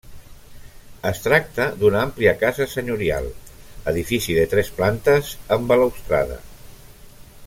Es tracta d’una àmplia casa senyorial, edifici de tres plantes amb balustrada.